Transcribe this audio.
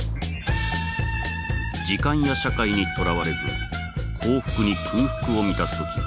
時間や社会にとらわれず幸福に空腹を満たすとき